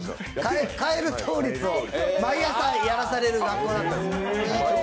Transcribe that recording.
かえる倒立を毎朝やらされる学校なんです。